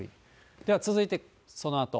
では続いて、そのあと。